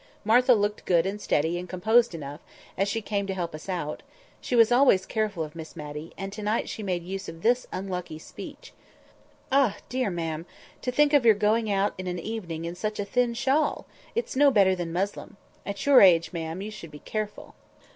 Martha looked good, and steady, and composed enough, as she came to help us out; she was always careful of Miss Matty, and to night she made use of this unlucky speech— "Eh! dear ma'am, to think of your going out in an evening in such a thin shawl! It's no better than muslin. At your age, ma'am, you should be careful."